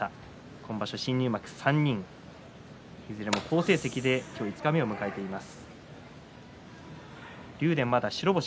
今場所、新入幕３人いずれも好成績で今日、五日目を迎えています。